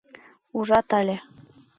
Ужат але.